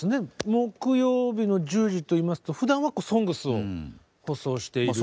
木曜日の１０時といいますとふだんは「ＳＯＮＧＳ」を放送している。